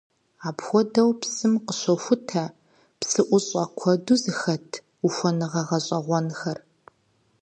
Апхуэдэу псым къыщохутэ псыӀущӀэ куэду зэхэт ухуэныгъэ гъэщӀэгъуэнхэр.